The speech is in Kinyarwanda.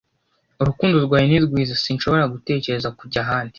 Urukundo rwawe ni rwiza sinshobora gutekereza kujya ahandi